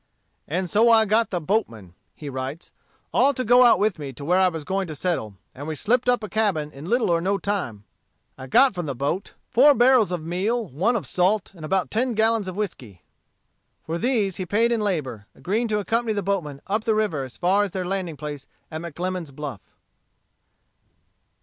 "And so I got the boatmen," he writes, "all to go out with me to where I was going to settle, and we slipped up a cabin in little or no time. I got from the boat four barrels of meal, one of salt, and about ten gallons of whiskey." For these he paid in labor, agreeing to accompany the boatmen up the river as far as their landing place at McLemone's Bluff.